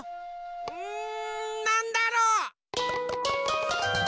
うんなんだろう。